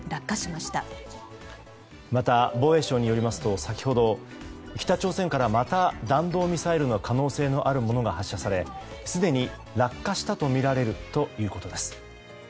また防衛省によりますと先ほど北朝鮮からまた、弾道ミサイルの可能性のあるものが発射され、すでに落下したとみられるということです。